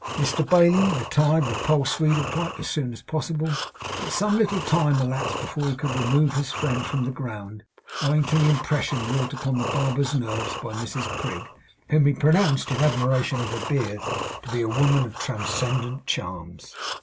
Mr Bailey retired with Poll Sweedlepipe as soon as possible; but some little time elapsed before he could remove his friend from the ground, owing to the impression wrought upon the barber's nerves by Mrs Prig, whom he pronounced, in admiration of her beard, to be a woman of transcendent charms.